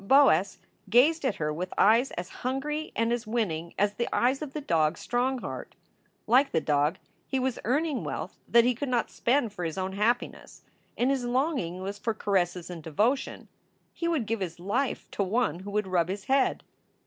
Boas gazed at her with eyes as hungry and as winning as the eyes of the dog Strongheart. Like the dog, he was earning wealth that he could not spend for his own happiness. And his longing was for caresses and devotion. He would give his life to one who would rub his head.